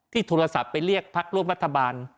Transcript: โทรศัพท์ไปเรียกพักร่วมรัฐบาล